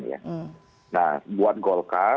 ya nah buat golkar